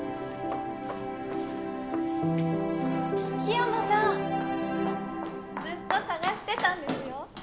・緋山さんずっと捜してたんですよ。